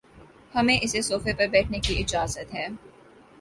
ہمیں اس صوفے پر بیٹھنے کی اجازت ہے